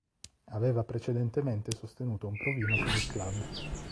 Aveva precedentemente sostenuto un provino con il club.